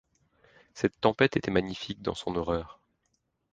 Cette tempête était magnifique dans son horreur!